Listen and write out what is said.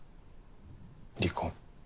離婚？